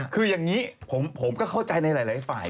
คืออย่างนี้ผมก็เข้าใจในหลายฝ่าย